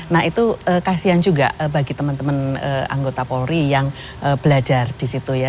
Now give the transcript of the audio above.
nah itu kasihan juga bagi teman teman anggota polri yang belajar di situ ya